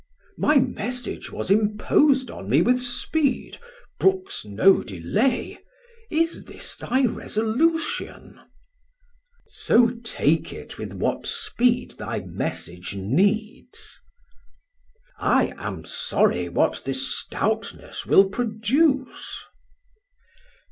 Off: My message was impos'd on me with speed, Brooks no delay: is this thy resolution? Sam: So take it with what speed thy message needs. Off: I am sorry what this stoutness will produce.